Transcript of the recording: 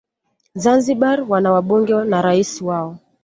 zanzibar wana wabunge na rais wao